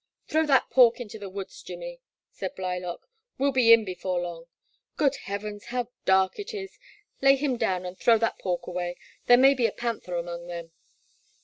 Throw that pork into the woods, Jimmy, The Black Water. 1 89 said Blylock, we *11 be in before long. Good heavens ! how dark it is — ^lay him down and throw that pork away — ^there may be a panther among them."